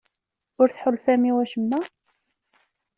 Ur tḥulfam i wacemma?